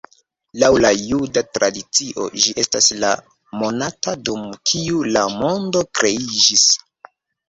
Laŭ la juda tradicio, ĝi estas la monato, dum kiu la mondo kreiĝis.